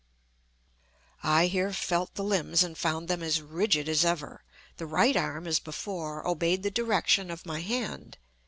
I here felt the limbs and found them as rigid as ever. The right arm, as before, obeyed the direction of my hand.